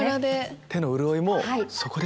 手の潤いもそこで。